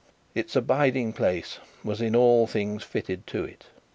Its abiding place was in all things fitted to it.